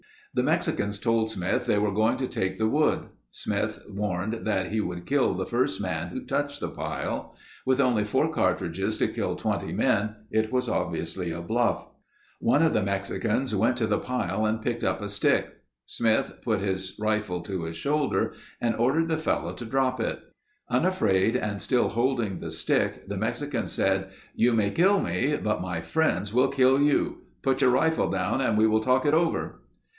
The Mexicans told Smith they were going to take the wood. Smith warned that he would kill the first man who touched the pile. With only four cartridges to kill 20 men, it was obviously a bluff. One of the Mexicans went to the pile and picked up a stick. Smith put his rifle to his shoulder and ordered the fellow to drop it. Unafraid and still holding the stick the Mexican said: "You may kill me, but my friends will kill you. Put your rifle down and we will talk it over."